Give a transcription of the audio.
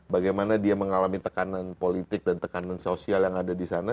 bagaimana dia mengalami tekanan politik dan tekanan sosial yang ada di sana